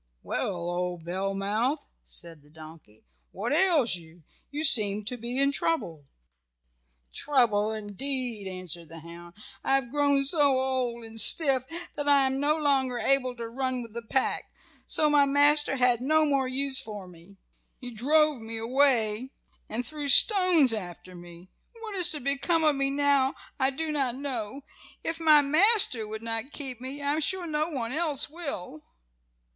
"Well, old Bellmouth," said the donkey, "what ails you? You seem to be in trouble." "Trouble indeed," answered the hound. "I have grown so old and stiff that I am no longer able to run with the pack, so my master had no more use for me. He drove me away and threw stones after me. What is to become of me now I do not know. If my master would not keep me I am sure no one else will."